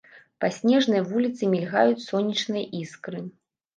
Па снежнай вуліцы мільгаюць сонечныя іскры.